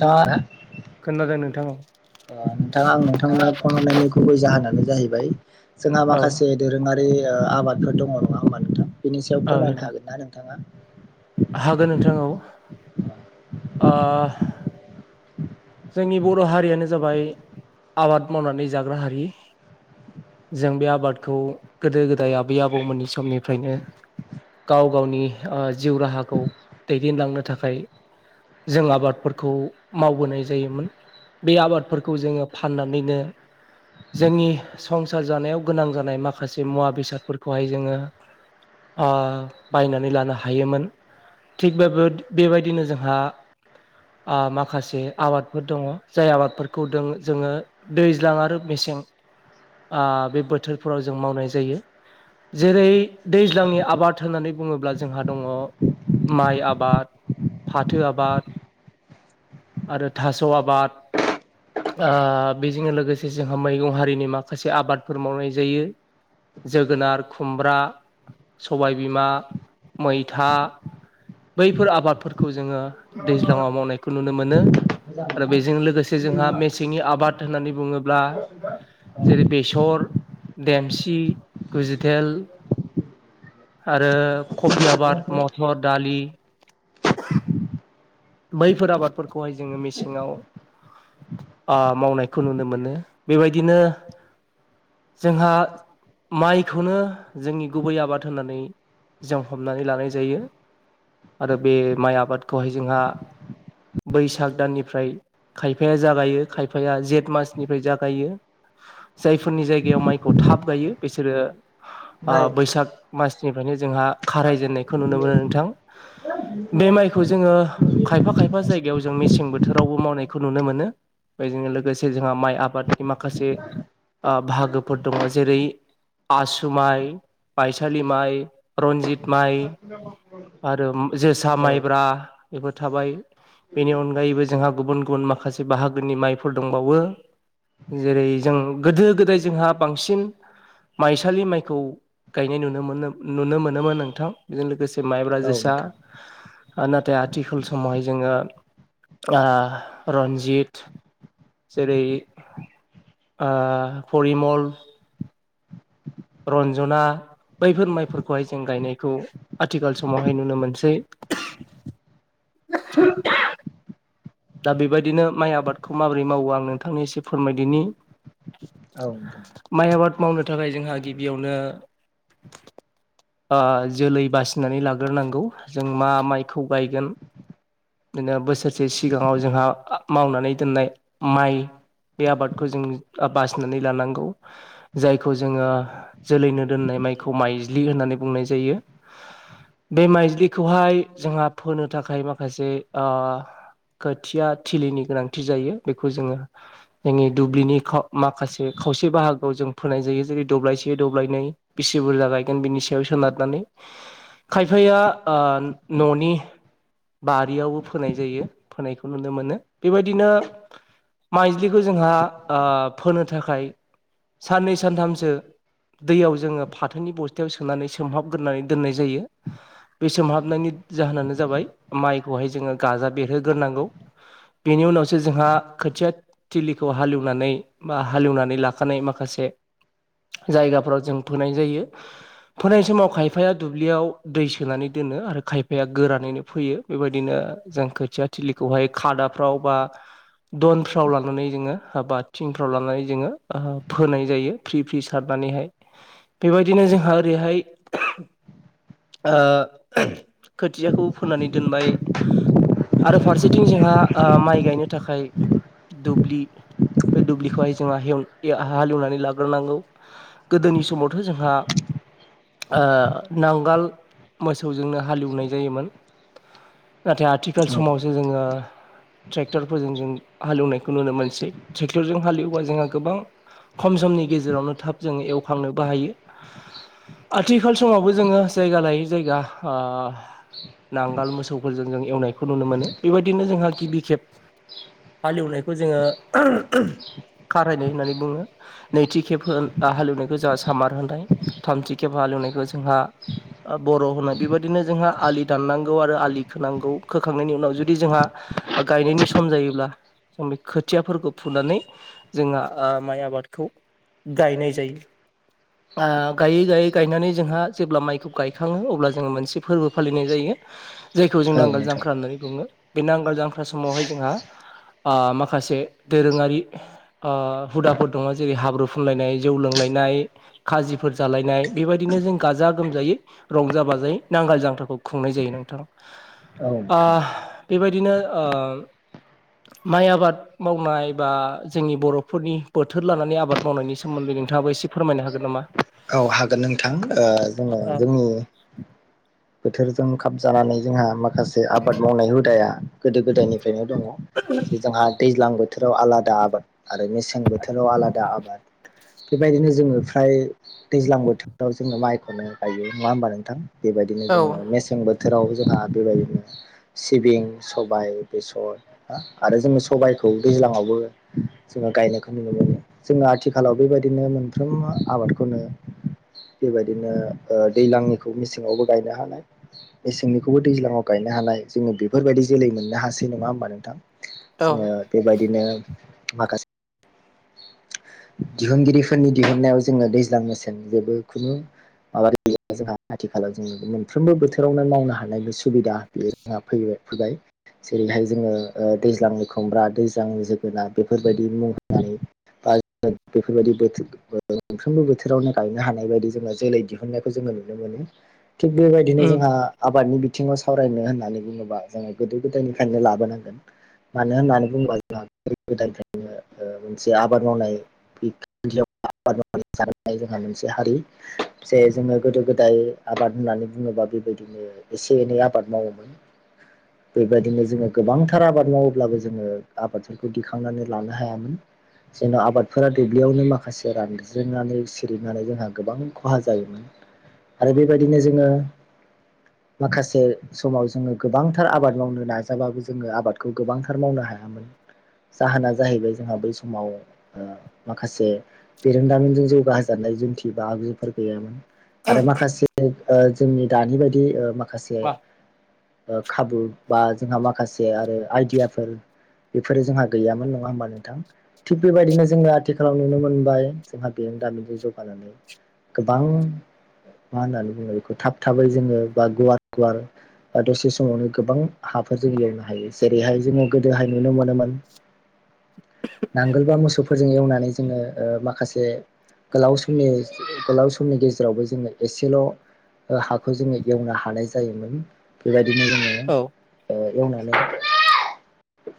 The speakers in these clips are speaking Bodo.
दा ओ खोनादों नोंथां औ नोंथां आं नोंथांनो फन हरनायनि गुबै जाहोनानो जाहैबाय जोंहा औ माखासे दोरोङारि आबादफोर दङ नङा होमबा नोंथां? बिनि सायाव औ फोरमायनो नोंथां हागोन ना नोंथाङा? हागोन नोंथां औ। आ जोंनि बर' हारियानो जाबाय आबाद मावनानै जाग्रा हारि। जों बे आबादखौ गोदो गोदाय आबै आबौमोननि समनिफ्रायनो गाव गावनि ओ जिउ राहाखौ दैदेनलांनो थाखाय जों आबादफोरखौ मावबोनाय जायोमोन। बे आबादफोरखौ जोङो फाननानैनो जोंनि संसार जानायाव गोनां जानाय माखासे मुवा बेसादफोरखौहाय जोङो ओ बायनानै लानो हायोमोन। थिगबेबादि बेबायदिनो जोंहा ओ माखासे आबादफोर दङ जाय आबादफोरखौ दों जोङो दैज्लां आरो मेसें ओ बे बोथोरफोराव जों मावनाय जायो। जेरै दैज्लांनि आबाद होननानै बुङोब्ला जोंहा दङ। माइ आबाद, फाथो आबाद, आरो थास' आबाद ओ बेजोंनो लोगोसे जोंहा मैगं हारिनि माखासे आबादफोर मावनाय जायो। जोगोनार, खुमब्रा, सबायबिमा, मैथा बैफोर आबादफोरखौ जोङो दैज्लाङाव औ मावनायखौ नुनो मोनो। आरो बेजों लोगोसे जोंहा मेसेंनि आबाद होननानै बुङो ब्ला जेरै बेसर देमसि गुजिथेल आरो कफि आबाद मथर, दालि बैफोर आबादफोरखौहाय जोङो मेसेङाव ओ मावनायखौ नुनो मोनो बेबायदिनो जोंहा माइखौनो जोंनि गुबै आबाद होननानै जों हमनानै लानाय जायो आरो बे माइ आबादखौहाय जोंहा बैसाग दाननिफ्राय खायफाया जागायो खायफाया जेठ मासनिफ्राय जागायो जायफोरनि जायगायाव माइखौ थाब गायो बिसोरो ओ बैसाग मासनिफ्रायनो जोंहा खारायजेननायखौ नुनो मोनो नोंथां बे माइखौ जोङो खायफा खायफा जायगायाव जों मेसें बोथोरावबो मावनायखौ नुनो मोनो बेजों लोगोसे जोंहा माइ आबादनि माखासे ओ बाहागोफोर दङ जेरै आसु माइ, माइसालि माइ, रन्जित माइ आरो जोसा माइब्रा बेफोर थाबाय बेनि अनगायैबो जोंहा गुबुन गुबुन माखासे बाहागोनि माइफोर दंबावो जेरै जों गोदो गोदाय जोंहा बांसिन माइसालि माइखौ गायनाय नुनो मोनो नुनो मोनोमोन नोंथां बेजों लोगोसे बे माइब्रा औ जोसा नोंथां नाथाय आथिखाल समावहाय जोङो ओ रन्जित जेरै ओ परिमल रन्जना बैफोर माइफोरखौहाय जों गायनायखौ आथिखाल समावहाय नुनो मोनसै [inaudible] दा बेबायदिनो माइ आबादखौ माबोरै मावो आं नोंथांनि एसे फोरमायदिनि औ नोंथां माइ आबाद मावनो थाखाय जोंहा गिबियावनो ओ जोलै बासिनानै लाग्रोनांगौ जों मा माइखौ गायगोन बिदिनो बोसोरसे सिगाङाव जोंहा मावनानै दोननाय माइ बे आबादखौ जों बासिनानै लानांगौ जायखौ जोङो जोलैनो दोननाय माइखौ माइज्लि होननानै बुंनाय जायो बे माइजलिखौहाय जोंहा फोनो थाखाय माखासे ओ खोथिया थिलिनि गोनांथि जायो बेखौ जोङो जोंनि दुब्लिनि खाव माखासे खावसे बाहागोआव जों फोनाय जायो जेरै दब्लायसे दब्लायनै बिसे बुरजा गायगोन बिनिस सायाव सोनारनानै खायफाया ओ न'नि बारियावबो फोनाय जायो फोनायखौ नुनो मोनो बेबायदिनो माइज्लिखौ जोंहा ओ फोनो थाखाय साननै सानथामसो दैयाव जोङो फाथोनि बस्थायाव सो सोनानै सोमहाबगोरोनानै दोननाय जायो बे सोमहाबनायनि जाहोनानो जाबाय माइखौहाय जोङो गाजा बेरहोग्रोनांगौ बेनि उनावसो जोंहा खोथिया थिलिखौ हालेवनानै बा हालेवनानै लाखानाय माखास से जायगाफोराव जों फोनाय जायो फोननाय समाव खायफाया दुब्लियाव दै सोनानै दोनो आरो खायफाया गोरानैनो फैयो बेबायदिनो जों खोथिया थिलिखौहाय खादाफ्राव बा दनफ्राव लानानै जोङो हाबा थिनफ्राव लानानै जोङो ओ फोनाय जायो फ्रि फ्रि सारना नैहाय बेबायदिनो जोंहा ओरैहाय ओ खोथियाखौ फोननानै दोनबाय आरो फारसेथिं जोंहा ओ माइ गायनो थाखाय दुब्लि बे दुब्लिखौहाय जोंहाव हेव ए हालेवनानै लाग्रोनांगौ गोदोनि समावथ' जोंहा नांगाल मोसौजोंनो हालेवनाय जायोमोन नाथाय आथिखाल औ समावसो जों जोङो ट्रेक्टरफोरजों जों हालोवनायखौ नुनो मोनसै ट्रेक्टरजों हालेवबा जोंहा गोबां खम सम नि गेजेरावनो थाब जों एवखांनोबो हायो [inaudible] आथिखाल समावबो जोङो जायगा लायै जायगा आ नांगाल मोसौफोरजों जों एवनायखौ नुनो मोनो बेबायदिनो जोंहा गिबि खेब हालेवनायखौ जोङो [unintelligible] खारायनाय होननानै बुङो नैथि खेब हालोवनायखौ जोंहा सामार होनाय थामथि खेब हालेवनायखौ जोंहा बर' होननाय बेबायदिनो जोंहा आलि दाननांगौ आरो आलि खोनांगौ खोखांनायनि उनाव जुदि जोंहा गायनायनि सम जायोब्ला जों बे खोथियाफोरखौ फुनानै जोंहा ओ माइ आबादखौ गायनाय जायो आ गायै गायै गायनानै जोंहा जेब्ला माइखौ गायखाङो अब्ला जोङो मोनसे फोरबो फालिनाय जायो जायखौ जों नांगोल नोंथां जांख्रा होननानै बुङो बे नांगाल जांख्रा समावहाय जोंहा आ माखासेदोरोङारि आ हुदाफोर दङ जेरै हाब्रु फुनलायनाय जौ लोंलाय नाय खाजिफोर जालायनाय बेबायदिनो जों गाजा गोमजायै रंजा बाजायै नांगाल जांथ्राखौ खुंनाय जायो नोंथां। औ ओ नोंथां। बेबायदिनो ओ माइ आबाद मावनाय बा जोंनि बर'फोरनि बोथोर लानानै आबाद मावनायनि सोमोन्दै नोंथाङाबो इसि फोरमायनो हागोन नामा? औ हागोन नोंथां ओ जोङो जोंनि बोथोरजों खाब जानानै जोंहा माखासे आबाद मावनाय हुदाया गोदो गोदायनिफ्रायनो दङ जे जोंहा दैज्लां बोथ थोराव आलादा आबाद आरो मेसें बोथोराव आलादा आबाद बेबायदिनो जोङो फ्राय दैज्लां बोथोराव जोङो माइखौनो गायो नङा होमबा नोंथां बेबायदिनो औ जोङो मेसें बोथ थोराव जोंहा बेबायदिनो सिबिं सबाय बेसर आरो जोङो सबाय खौ दैज्लांआवबो जोङो गायनायखौ नुनो मोनो जोङो आथिखालाव बेबायदिनो मोनफ्रोमबो आबाद फोनो बेबायदिनो ओ दैलांनिखौ मेसेङावबो गायनो हानाय मेसेंनिखौबो दैज्लाङाव गायनो हानाय जोङो बेफोरबायाददि जोलै मोननो हासै नङा होमबा नोंथां औ जोङो बेबायदिनो माखासे दिहुनगिरिफोरनि दिहुननायाव जोङो दैज्लां मेसें जेबो खुनु माबा गैया जोंहा आथिखालाव जों मोनफ्रोमबो बोथोरावनो मावनो हानाय बे सुबिदा बेयो जोंहा फैयो फैबाय जेरैहाय जोङो ओ दैज्लांनि खुमब्रा दैज्लांनि जोगोनार बेफोरबायदि मुं होनानै फ्राय बेफोरबायदि बोथोर [unintelligible] मोनफ्रोमबो बोथोरावनो गायनो हानाय बायदि जोङो जोलै दिहुननायखौ जोङो नुनो मोनो [unintelligible] थिग बेबायदिनो उम जोंहा आबादनि बि थिङाव सावरायनो होननानै बुङोबा जोङो गोदो गोदायनिफ्रायनो लाबोनांगोन मानो होननानै बुङोबा जोंहा गोद गोदाननिफ्रायनो ओ मोनसे आबाद मावनाय [unintelligible] [unintelligible] मोनसे हारि जे जोंङो गोदो गोदाय आबाद होननानै बुंङोबा [unintelligible] बेबायदिनो एसे एनै आबाद मावोमोन। बेबायदिनो जोंङो गोबांथार आबाद मावोब्लाबो जोंङो आबादफोरखौ दिखांनानै लानो हायामोन जेन'आबाद फोरा दुब्लियावनो माखासे रानज्रिनानै सिरिनानै जोंहा गोबां खहा जायोमोन आरो बेबायदिनो जोंङो माखासे समाव जोंङो गोबांथार आबाद मावनो नाजाबाबो जोंङो आबादखौ गोबांथार मावनो हा [unintelligible] जाहोना जाहैबाय जोंहा बै समाव ओ माखासे बिरोंदामिनजों जौगाहोजानाय जुन्थि बा आगजुफोर गैयामोन। आरो माखासे ओ जोंनि दानि बायदि ओ माखासे मा ओ खाबु बा जोंहा माखासे आरो आइदियाफोर बेफोरो जोंहा गैयामोन नंङा होमबा नोंथां? थिग बेबायदिनो जोंङो आथिखालाव नुनो मोनबाय जोंहा बिरों दामिनजों जौगानानै गोबां मा होननानै बुंङो बेखौ थाब थाबै जोंङो बा गुवार गुवार बा दसे समावनो गोबां हाब फोर जों एवनो हायो जेरैहाय जोंङो गोदोहाय नुनो मोनोमोन [inaudible] नांगोलबा मोसौफोरजों एवनानै जोंङोओ माखासे गोलाव समनि गोलाव समनि गेजेरावबो जोंङो एसेल' ओ हाखौ जोंङो एवनो हानाय जायोमोन बेबायदिनो जोंङो औ ओ एवनानै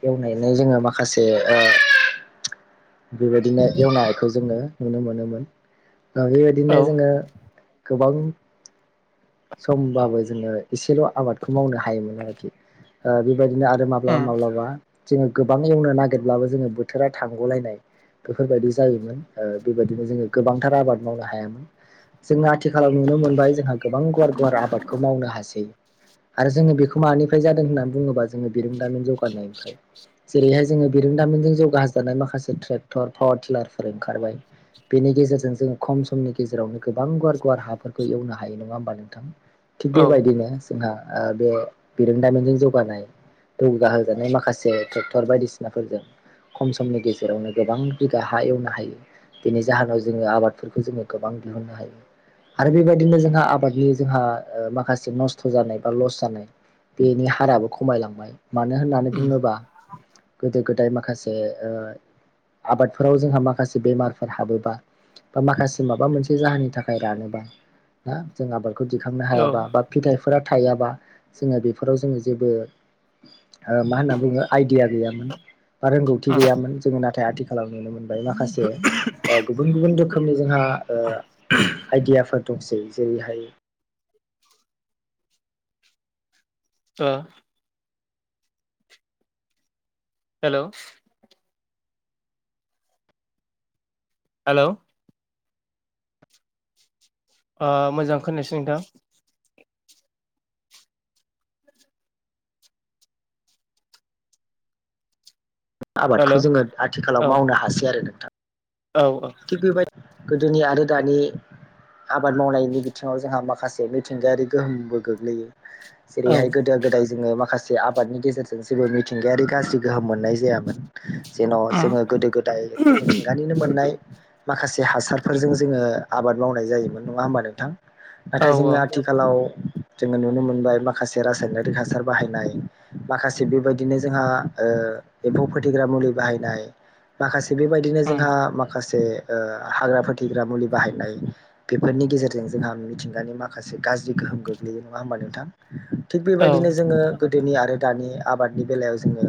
एवनानै जोंङो माखासे ओ बेबायदिनो एवनायखौ जोंङो नुनो मोनोमोन दायो बेबायदिनो औ जोंङो गोबां समबाबो जोंङो एसेल' आबादखौ मावनो हायोमोन आरोखि ओ बेबायदिनो आरो उम माब्लाबा माब्लाबा जोंङो गोबां एवनो नागिरब्लाबो जोंङो बोथोरा थांगलायनाय बेफोरबायदि जायोमोन ओ बेबायाददिनो जोंङो गोबांथार आबाद मावनो हायामोन। जो आथिखालाव नुनो मोनबाय जोंहा गोबां गुवार गुवार आबादखौ मावनो हासै। आरो जोंङो बेखौ मानिफ्राय जादों होननानै बुंङोबा जोंङो बिरोंदामिन जौगानायनिफ्राय जेरै हाय जोंङो बिरोंदामोनजों जौगासो जानाय माखासे ट्रेक्टर पावार टिलारफोर ओंखारबाय बेनि गेजेरजों जों खम समनि गेजेरावनो गोबां गुवार गुवार हाफोरखौ एवनो हा नंङा होमबा? नोंथां थिग औ बेबायदिनो जोंहा ओ बे बिरोंदामिनजों जौगानाय दौगा होजानाय माखासे ट्रेक्टर बायदिसिनाफोरजों खम समनि गेजेरावनो गोबां बिगा हा एवनो हायो। बेनि जाहोनाव जोंङो आबादफोरखौ जोंङो गोबां दिहुननो हायो आरो बेबायदिनो जों आ आबादनि जोंहा माखासे नस्थ' जानाय एबा लस जानाय बेनि हाराबो खमायलांबाय मानो होननानै उम बुंङोबा गोदो गोदाय माखासे ओ आबादफोराव जोंहा माखासे बेमारफोर हाबोबा बा माखासे माबा मोनसे जाहोननि थाखाय रानोबा ना जों आबादखौ दिखांनो ओ हायाबा बा फिथाइफोरा थायाबा जोंङो बेफोराव जोंङो जेबो ओ मा होनना बुंङो आइदिया गैयामोन। बा रोंगौथि गैयामोन जोंङो नाथाय आथिखालाव नुनो मोनबाय माखासे ओ गुबुन गुबुन रोखोमनि जोंहा ओ आइदियाफोर दंसै जेरै हाय ओ हेलौ हेलौ ओ मोजां खोननायसै नोंथां। हेलौ आबादखौ जोंङो आथिखालाव औ मावनो हासै आरो नोंथां। औ ओं थिग बेबायदि गोदोनि आरो दानि आबाद मावनायनि बिथिंङाव जोंहा माख माखासे मिथिंगायारि गोहोमबो गोग्लैयो जेरैहाय गोदो गोदाय जोङो माखा से आबादनि गेजेरजों जेबो मिथिंगायारि गाज्रि गोहोम मोननाय जायामोन जेन' औ जोङो गोदो गोदाय मिथिंगानिनो मोननाय माखासे हासारफोरजों जोङो आबाद मावनाय जायोमोन नङा होमबा नोंथां? औ नाथाय जोङो आथिखालाव जोङो नुनो मोनबाय माखासे रासायनारि हासार बाहायनाय माखासे बेबायदिनो जोंहा ओ एम्फौ फोथैग्रा मुलि बाहायनाय माखासे बेबायदिनो उम जोंहा मा खासे ओ हाग्रा फोथिग्रा मुलि बाहायनाय बेफोरनि गेजेरजों जोंहा मिथिंगानि माखासे गाज्रि गोहोम गोग्लैयो नङा होमबा नोंथां? थिग औ बेबायदिनो जोङो गोदोनि आरो दानि आबादनि बेलायाव जोङो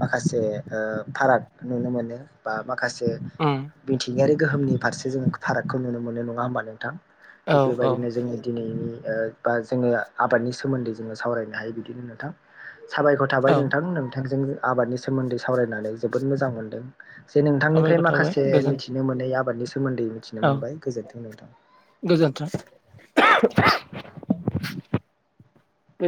माखासे ओ फाराग नुनो मोनो बा मा खासे उम मिथिंगायारि गोहोमनि फारसे जों फारागखौ नुनो मोननाय नङा होमबा नोंथां? औ थिग औ बेबायदिनो जोंनि दिनैनि ओ बा जोङो आबादनि सोमोन्दै जोङो सावरायनो हायो बिदिनो नोंथां साबायख'र थाबाय नोंथां नोंथांजों आबादनि सोमोन्दै सावरायनानै जोबोद मोजां मोनदों। जे नोंथांनिफ्राय साबायखर थाबाय माखासे गोजोन मिथिनो मोनै आबादनि सोमोन्दै मिथिनो औ मोनबाय गोजोन्थों नोंथां। लांदां लांदां